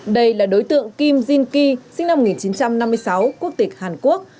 đây là đối tượng kim jin ky sinh năm một nghìn chín trăm năm mươi sáu quốc tịch hàn quốc